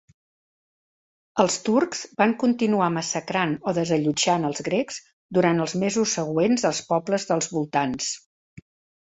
Els turcs van continuar massacrant o desallotjant els grecs durant els mesos següents als pobles dels voltants.